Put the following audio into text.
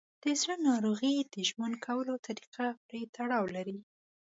د زړه ناروغۍ د ژوند کولو طریقه پورې تړاو لري.